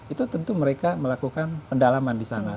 itu tentu mereka melakukan pendalaman di sana